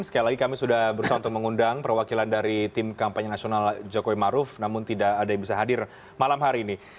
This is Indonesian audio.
sekali lagi kami sudah berusaha untuk mengundang perwakilan dari tim kampanye nasional jokowi maruf namun tidak ada yang bisa hadir malam hari ini